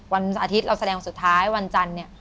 วันอาทิตย์เราแสดงสุดท้ายวันจันทร์เนี่ย